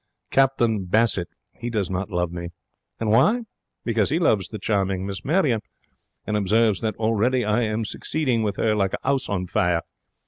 Captain Bassett, he does not love me. And why? Because he loves the charming Miss Marion, and observes that already I am succeeding with her like a 'ouse on fire.